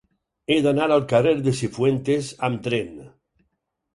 He d'anar al carrer de Cifuentes amb tren.